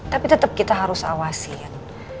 tapi tetap kita harus awasin